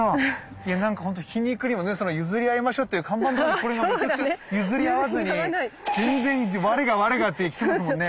いやなんかほんと皮肉にもねその「ゆずりあいましょう」っていう看板のとこにこれがめちゃくちゃ譲り合わずに全然我が我がっていってますもんね。